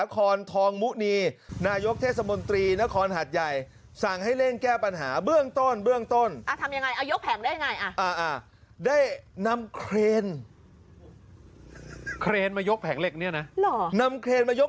คนละฝั่งน่ะ